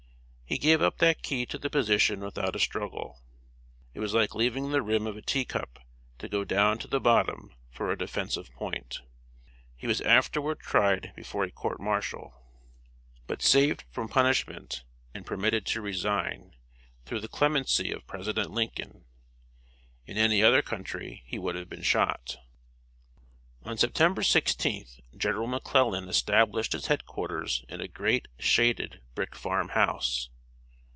He gave up that key to the position without a struggle. It was like leaving the rim of a teacup, to go down to the bottom for a defensive point. He was afterward tried before a court martial, but saved from punishment, and permitted to resign, through the clemency of President Lincoln. In any other country he would have been shot. On September 16th, General McClellan established his head quarters in a great shaded brick farm house.